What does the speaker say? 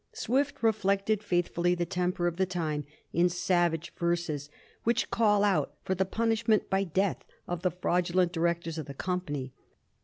Swift reflected faithfully the temper of the time in savage verses, which call out for the punishment by death of the fraudulent directors of the company.